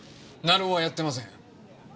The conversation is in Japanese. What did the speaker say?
成尾はやってません！